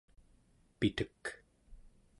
pitek